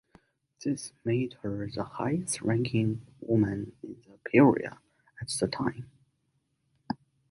This made her the highest ranking woman in the curia at the time.